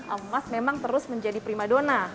emas memang terus menjadi prima dona